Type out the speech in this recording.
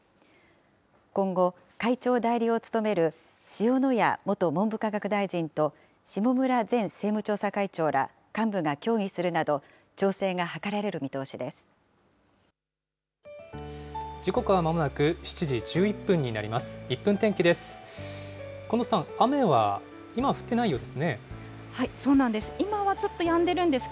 今後、会長代理を務める塩谷元文部科学大臣と、下村前政務調査会長ら幹部が協議するなど、調整が図られる見通し時刻はまもなく７時１１分になります。